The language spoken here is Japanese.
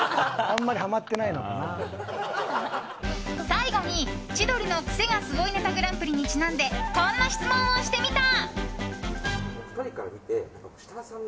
最後に「千鳥のクセがスゴいネタＧＰ」にちなんで、こんな質問をしてみた。